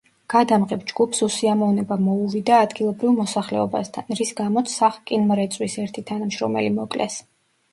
გადამღებ ჯგუფს უსიამოვნება მოუვიდა ადგილობრივ მოსახლეობასთან, რის გამოც სახკინმრეწვის ერთი თანამშრომელი მოკლეს.